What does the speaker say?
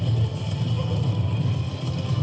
สวัสดีครับทุกคน